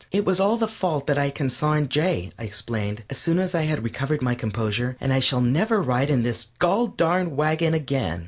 "It was all the fault of that consarned Jay," I explained, as soon as I had recovered my composure, "and I shall never ride in his goll darned wagon again."